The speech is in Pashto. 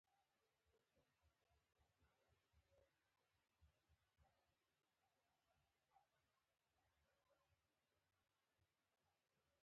رباني خو سپین چکونه راکول.